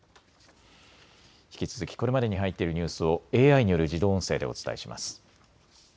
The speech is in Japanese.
引き続きこれまでに入っているニュースをＡＩによる自動音声でお伝えします。